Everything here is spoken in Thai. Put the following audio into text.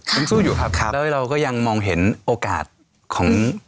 ยังสู้อยู่ครับแล้วเราก็ยังมองเห็นโอกาสของ